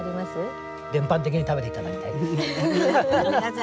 全般的に食べて頂きたいですよ。